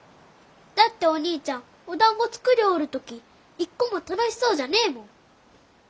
だってお兄ちゃんおだんご作りょうる時いっこも楽しそうじゃねえもん。